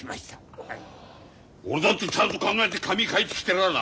俺だってちゃんと考えて紙に書いてきてらあな。